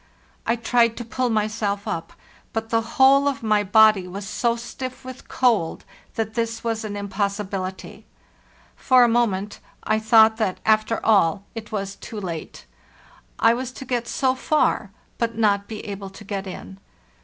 I tried to pull myself up, but the whole of my body was so stiff with cold that this was an impossibility. For a moment I thought that, after all, it was too late; I Il.—33 514 HARLIHESLT NORTH was to get so far, but not be able to get in.